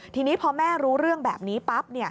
ทีนี้พอแม่รู้เรื่องแบบนี้ปั๊บ